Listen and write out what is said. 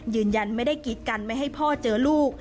ยืนยันไม่ได้กีดกันไม่ให้พ่อเจอลูก